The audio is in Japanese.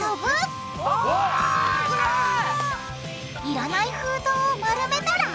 いらない封筒を丸めたら！？